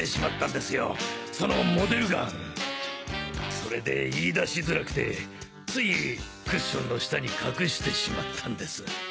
それで言い出しづらくてついクッションの下に隠してしまったんです。